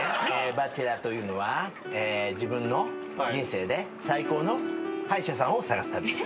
バチェラーというのはえ自分の人生で最高の歯医者さんを探す旅です。